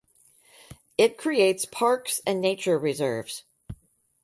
It creates parks and nature reserves.